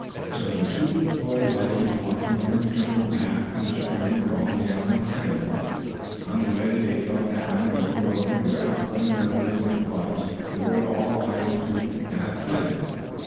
So the two boy lions walked along the jungle path to the spring where all the animals drank. On the way they fell down and rolled over and cuffed one another with their paws the way all lions do to have fun.